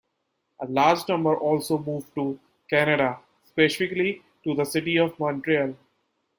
A large number also moved to Canada, specifically to the city of Montreal.